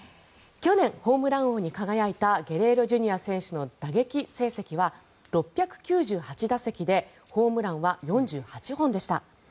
去年、ホームラン王に輝いたゲレーロＪｒ．選手の打撃成績は、６９８打席でホームランは４８本でした。